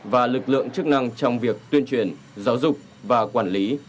và lực lượng chức năng trong việc tuyên truyền giáo dục và quản lý